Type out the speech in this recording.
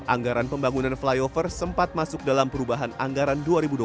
anggaran pembangunan flyover sempat masuk dalam perubahan anggaran dua ribu dua puluh